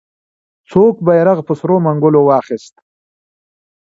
څوک بیرغ په سرو منګولو واخیست؟